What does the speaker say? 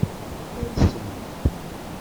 Alsem-d.